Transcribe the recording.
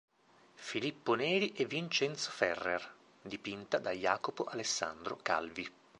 Filippo Neri e Vincenzo Ferrer" dipinta da Jacopo Alessandro Calvi.